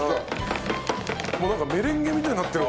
もうなんかメレンゲみたいになってる。